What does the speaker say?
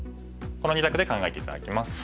この２択で考えて頂きます。